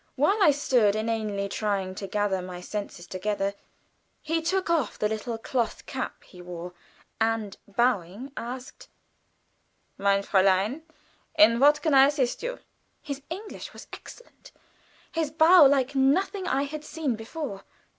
While I stood inanely trying to gather my senses together, he took off the little cloth cap he wore, and bowing, asked: "Mein Fräulein, in what can I assist you?" His English was excellent his bow like nothing I had seen before.